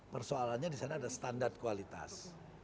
persoalannya disana ada standar kualitas